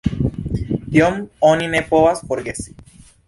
Tion oni ne povas forgesi.